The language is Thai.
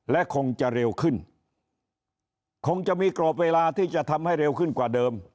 และคงจะเร็วขึ้นคงจะมีกรอบเวลาที่จะทำให้เร็วขึ้นกว่าเดิม